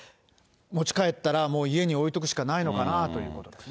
持ち帰ったらもう家に置いとくしかないのかなといった感じですね。